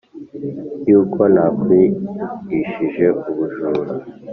yuko nakwigishije ubujura